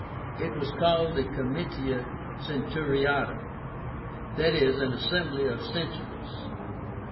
It was called the COMITIA CENTURIÁTA, i.e. an assembly of centuries.